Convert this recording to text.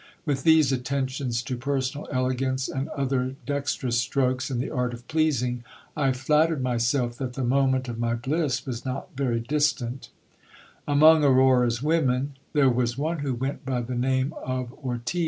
With these attentions to personal elegance and other dexterous strokes in the art of pleasing, I nattered myself that the moment of my bliss was not very distant Among Aurora's women there was one who went by the name of Ortiz.